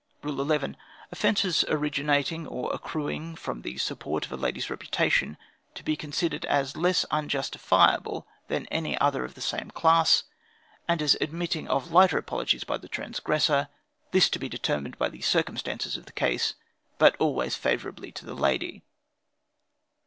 "Rule 11. Offences originating or accruing from the support of a lady's reputation, to be considered as less unjustifiable than any other of the same class, and as admitting of lighter apologies by the aggressor; this to be determined by the circumstances of the case, but always favorably to the lady.